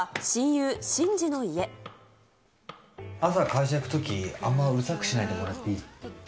朝会社行くとき、あんまうるさくしないでもらっていい？